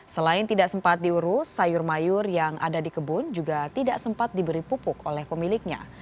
selain tidak sempat diurus sayur mayur yang ada di kebun juga tidak sempat diberi pupuk oleh pemiliknya